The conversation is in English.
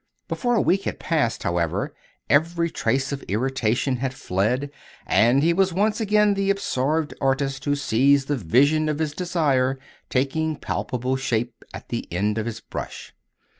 Before a week had passed, however, every trace of irritation had fled, and he was once again the absorbed artist who sees the vision of his desire taking palpable shape at the end of his brush.